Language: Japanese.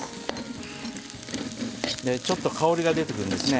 ちょっと香りが出てくるんですね。